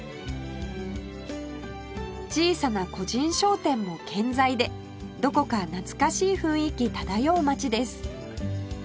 小さな個人商店も健在でどこか懐かしい雰囲気漂う町です